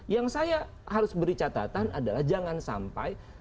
yang saya harus beri catatan adalah jangan sampai